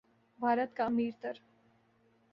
بھارت کا امیر تر